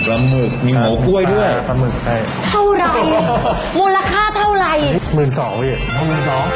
แล้วมีลามหมึกหมูโห้กล้วยเท่าไรมูลค่าเท่าไร